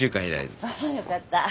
あぁよかった。